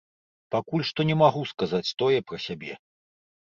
Пакуль што не магу сказаць тое пра сябе.